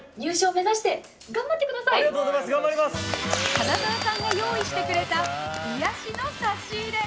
花澤さんが用意してくれた癒やしの差し入れ。